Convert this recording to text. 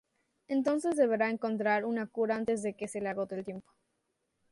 Entonces deberá encontrar una cura antes de que se le agote el tiempo.